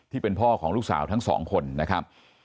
ที่เป็นพ่อของลูกสาวทั้งสองคนนะครับ